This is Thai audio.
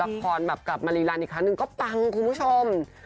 แบบกลับมารีรันอีกครั้งหนึ่งก็ปังคุณผู้ชม